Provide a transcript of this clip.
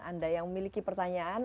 anda yang memiliki pertanyaan